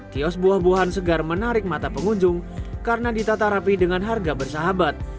kios buah buahan segar menarik mata pengunjung karena ditata rapi dengan harga bersahabat